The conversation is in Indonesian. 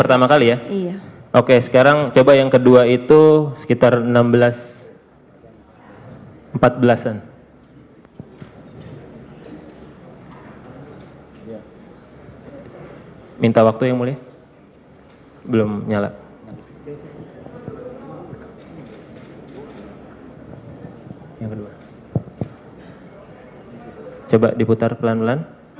tas anda taruh dimana